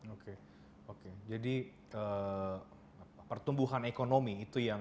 oke oke jadi pertumbuhan ekonomi itu yang